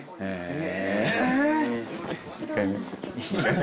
え！